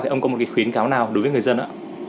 thì ông có một khuyến cáo nào đối với người dân ạ